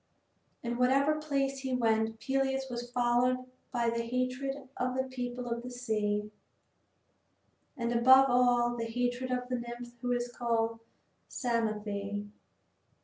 In whatever place he went Peleus was followed by the hatred of the people of the sea, and above all by the hatred of the nymph who is called Psamathe.